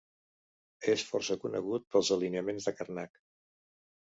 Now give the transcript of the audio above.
És força conegut pels alineaments de Carnac.